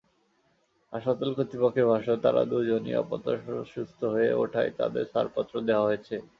হাসপাতাল কর্তৃপক্ষের ভাষ্য, তাঁরা দুজনই আপাতত সুস্থ হয়ে ওঠায় তাঁদের ছাড়পত্র দেওয়া হয়েছে।